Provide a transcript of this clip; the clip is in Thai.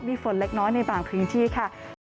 มีฝนเล็กน้อยในบางพื้นที่ค่ะ